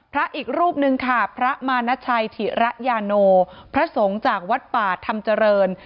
พระอีกรูปนึงค่ะพระมาณชัยถิระยาโนพระสงฆ์จากวัดป่าธรรมเจริญ